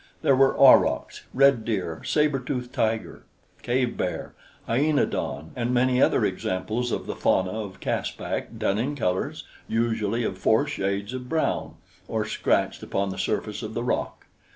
There were aurochs, red deer, saber tooth tiger, cave bear, hyaenadon and many other examples of the fauna of Caspak done in colors, usually of four shades of brown, or scratched upon the surface of the rock.